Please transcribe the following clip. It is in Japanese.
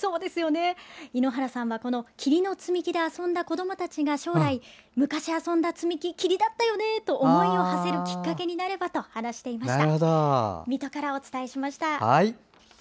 猪ノ原さんは桐の積み木で遊んだ子どもたちが将来、昔遊んだ積み木桐だったよねと思いをはせるきっかけになればと話していました。